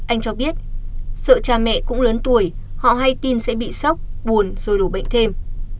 anh cho biết sợ cha mẹ cũng lớn tuổi họ hay tin sẽ bị sốc buồn rồi đổ bệnh thêm